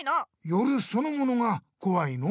夜そのものがこわいの？